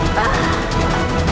aku akan menangkanmu